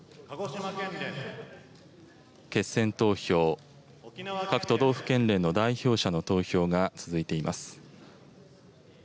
決選投票、各都道府県連の代表者の投票が続いています。